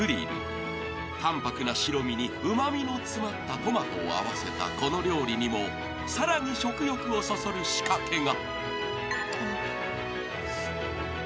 ［淡泊な白身にうま味の詰まったトマトを合わせたこの料理にもさらに食欲をそそる仕掛けが］